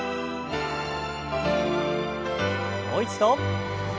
もう一度。